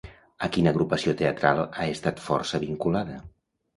A quina agrupació teatral ha estat força vinculada?